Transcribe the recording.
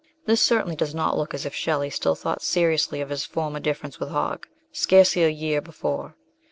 This certainly does not look as if Shelley still thought seriously of his former difference with Hogg scarcely a year before.